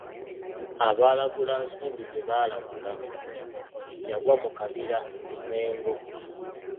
Abaalagula Nsimbi tebaalagula, Yagwa mu Kabira Mmengo.